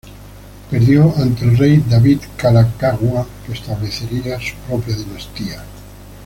Perdió ante el rey David Kalākaua, que establecería su propia dinastía.